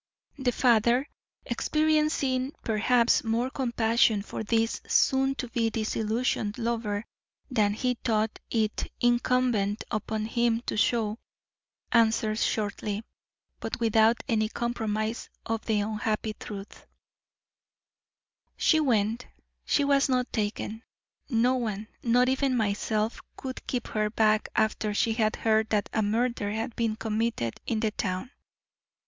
The father, experiencing, perhaps, more compassion for this soon to be disillusioned lover than he thought it incumbent upon him to show, answered shortly, but without any compromise of the unhappy truth: "She went; she was not taken. No one, not even myself, could keep her back after she had heard that a murder had been committed in the town.